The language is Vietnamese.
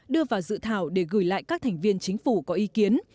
đưa vào dự thảo để gửi lại các thành viên chính phủ có ý kiến